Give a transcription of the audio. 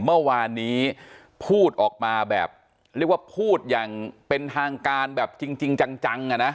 เมื่อวานนี้พูดออกมาแบบเรียกว่าพูดอย่างเป็นทางการแบบจริงจังอ่ะนะ